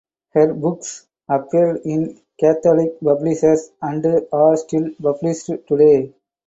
Her books appeared in Catholic publishers and are still published today.